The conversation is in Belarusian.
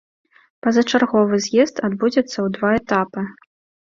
Пазачарговы з'езд адбудзецца ў два этапы.